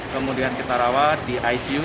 kemudian kita rawat di icu